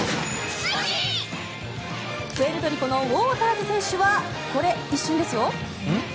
プエルトリコのウォーターズ選手はこれ、一瞬ですよ。